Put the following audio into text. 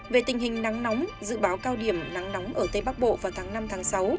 về tình hình nắng nóng dự báo cao điểm nắng nóng ở tây bắc bộ vào tháng năm tháng sáu